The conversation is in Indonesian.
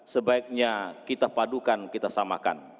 sebaiknya kita padukan kita samakan